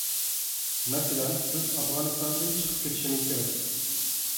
مەسىلەن، بىز ئافغانىستاندىن چىقىپ كېتىشىمىز كېرەك.